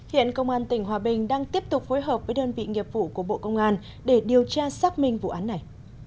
hiện công an tỉnh hòa bình đang tiếp tục phối hợp với đơn vị nghiệp vụ của bộ công an để điều tra xác minh vụ án này